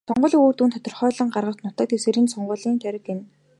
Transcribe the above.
Сонгуулийн үр дүнг тодорхойлон гаргах нутаг дэвсгэрийг сонгуулийн тойрог гэнэ.